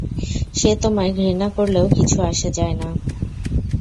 সে তোমায় ঘৃণা করলেও কিছু আসে যায় না!